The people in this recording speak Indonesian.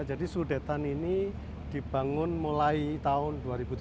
jadi sudetan ini dibangun mulai tahun dua ribu tiga belas